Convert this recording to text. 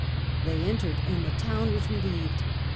— they entered and the town was reheved.